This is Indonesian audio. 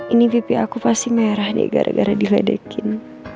ini pipi aku pasti merah nih gara gara diledekin